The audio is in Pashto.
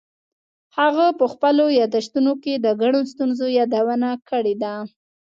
هغه په خپلو یادښتونو کې د ګڼو ستونزو یادونه کړې ده.